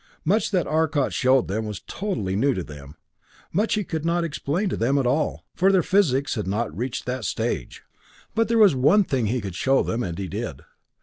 Much that Arcot showed them was totally new to them. Much he could not explain to them at all, for their physics had not yet reached that stage. But there was one thing he could show them, and he did.